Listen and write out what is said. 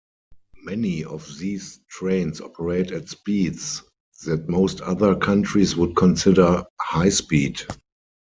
Many of these trains operate at speeds that most other countries would consider "high-speed".